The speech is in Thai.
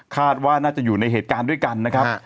คาดว่าน่าจะอยู่ในเหตุการณ์ด้วยกันนะครับ